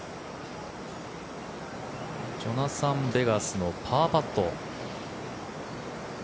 ジョナサン・ベガスのパーパット。